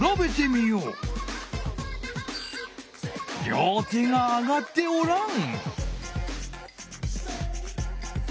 両手が上がっておらん。